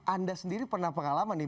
anda sendiri pernah pengalaman nih